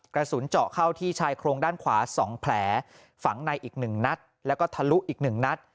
กระสุนเจาะเข้าที่ชายโครงด้านขวา๒แผลฝังในอีก๑นัดแล้วก็ทะลุอีก๑นัด